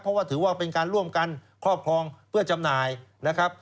เพราะว่าถือว่าเป็นการร่วมกันครอบครองเพื่อจำหน่ายนะครับ